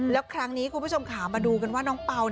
แล้วครั้งนี้คุณผู้ชมขามาดูกันว่าน้องเปล่า